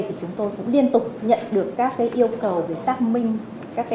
thì chúng tôi cũng liên tục nhận được các yêu cầu về xác minh